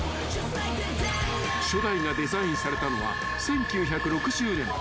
［初代がデザインされたのは１９６０年］